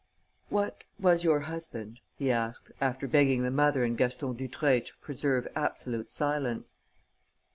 "What was your husband?" he asked, after begging the mother and Gaston Dutreuil to preserve absolute silence.